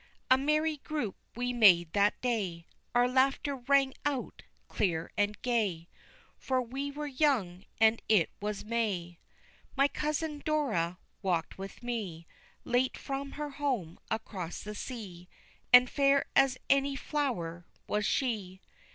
A merry group we made that day Our laughter rang out clear and gay, For we were young, and it was May. My cousin Dora walked with me Late from her home across the sea, And fair as any flower was she.